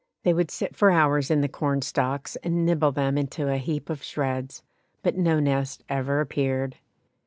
They would sit for hours in the corn stalks and nibble them into a heap of shreds, but no nest ever appeared.